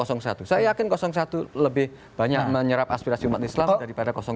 saya yakin satu lebih banyak menyerap aspirasi umat islam daripada dua